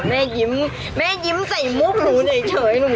แม่ยิ้มแม่ยิ้มใส่มุกหนูเฉย